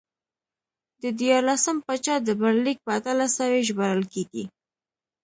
د دیارلسم پاچا ډبرلیک په اتلس سوی ژباړل کېږي